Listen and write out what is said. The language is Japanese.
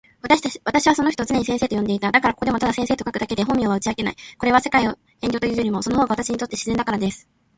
私はその人を常に先生と呼んでいた。だからここでもただ先生と書くだけで本名は打ち明けない。これは、世界を憚る遠慮というよりも、その方が私にとって自然だからです。